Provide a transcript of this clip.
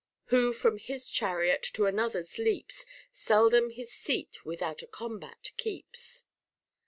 Who from his chariot to another's leaps, Seldom his seat without a combat keeps.